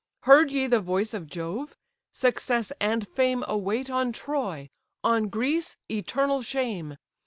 Heard ye the voice of Jove? Success and fame Await on Troy, on Greece eternal shame.